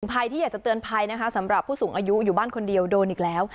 ภัยที่อยากจะเตือนภัยนะคะสำหรับผู้สูงอายุอยู่บ้านคนเดียวโดนอีกแล้ว